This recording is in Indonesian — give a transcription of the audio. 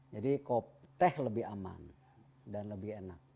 jadi teh lebih aman dan lebih enak